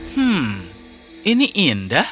hmm ini indah